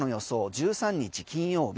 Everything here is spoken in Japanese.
１３日金曜日。